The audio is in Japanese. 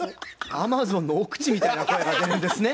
アマゾンの奥地みたいな声が出るんですね。